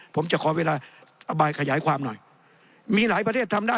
ผมจะขอเวลาอบายขยายความหน่อยมีหลายประเทศทำได้